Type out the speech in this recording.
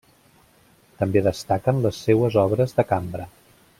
També destaquen les seues obres de cambra.